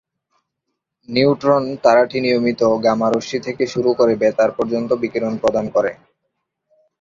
Neutron তারাটি নিয়মিত gamma রশ্মি থেকে শুরু করে বেতার পর্যন্ত বিকিরণ প্রদান করে।